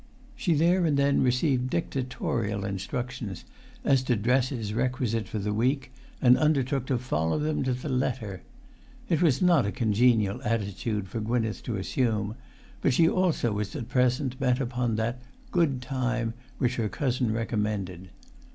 She there and then received dictatorial instructions as to dresses requisite for the week, and undertook to follow them to the letter. It was not a congenial attitude for Gwynneth to assume, but she also was at present bent upon that "good time" which her cousin recommended.